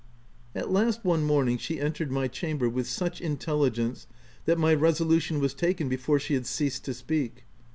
At last, one morning, she entered my cham ber with such intelligence that my resolution was taken before she had ceased to speak.